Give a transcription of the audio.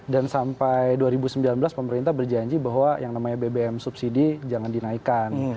dan sampai dua ribu sembilan belas pemerintah berjanji bahwa yang namanya bbm subsidi jangan dinaikan